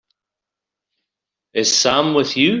Is Sam with you?